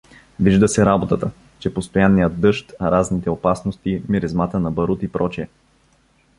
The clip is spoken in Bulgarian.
Вижда се работата, че постоянният дъжд, разните опасности, миризмата на барут и пр.